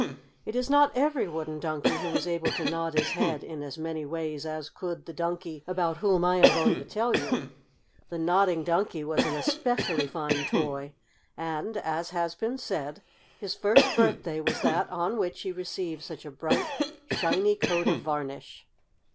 It is not every wooden donkey who is able to nod his head in as many ways as could the Donkey about whom I am going to tell you. This Nodding Donkey was an especially fine toy, and, as has been said, his first birthday was that on which he received such a bright, shiny coat of varnish.